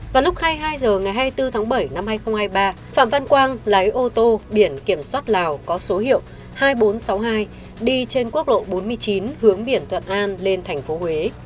vào lúc hai mươi hai h ngày hai mươi bốn tháng bảy năm hai nghìn hai mươi ba phạm văn quang lái ô tô biển kiểm soát lào có số hiệu hai nghìn bốn trăm sáu mươi hai đi trên quốc lộ bốn mươi chín hướng biển thuận an lên thành phố huế